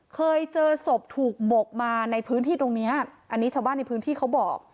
เคยเจอศพถูกหมกมาในพื้นที่ตรงเนี้ยอันนี้ชาวบ้านในพื้นที่เขาบอก